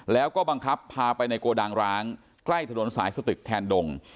แล้วก็บังคับพาไปในโกดังร้างใกล้ถนนสายสตึกแทนดง